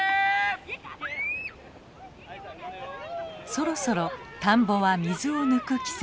そろそろ田んぼは水を抜く季節。